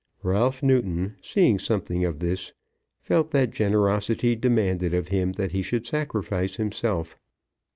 Ralph Newton, seeing something of this, felt that generosity demanded of him that he should sacrifice himself.